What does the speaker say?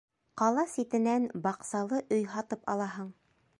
Ҡала ситенән баҡсалы өй һатып алаһың.